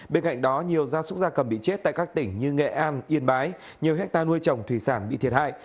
bên cạnh đó nhiều gia súc gia cầm bị chết tại các tỉnh như nghệ an yên bái nhiều hectare nuôi trồng thủy sản bị thiệt hại